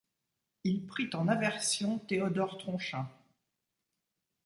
Il prit en aversion Théodore Tronchin.